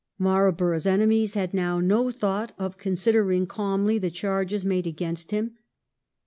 Marlborough's enemies had now no thought of considering calmly the charges made against him.